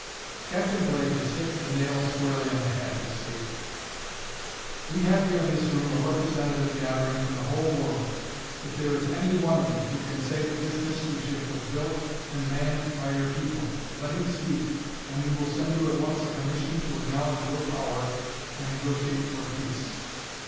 "Captain Blake has hit the nail squarely on the head," he stated. "We have here in this room a representative gathering from the whole world. If there is any one of you who can say that this mystery ship was built and manned by your people, let him speak, and we will send you at once a commission to acknowledge your power and negotiate for peace."